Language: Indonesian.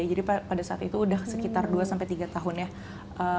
jadi pada saat itu udah sekitar dua sampai tiga tahun ya